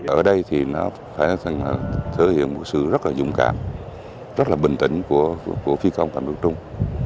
ở đây thì nó thể hiện một sự rất là dũng cảm rất là bình tĩnh của phi công tỉnh đức trung